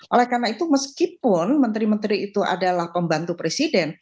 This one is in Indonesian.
oleh karena itu meskipun menteri menteri itu adalah pembantu presiden